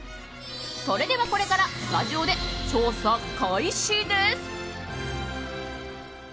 それでは、これからスタジオで調査開始です。